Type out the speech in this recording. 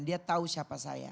dia tahu siapa saya